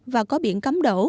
và có biển cắm đỗ